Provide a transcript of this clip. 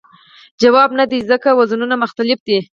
ځواب نه دی ځکه وزنونه مختلف دي.